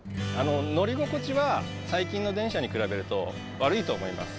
乗り心地は最近の電車に比べると悪いと思います。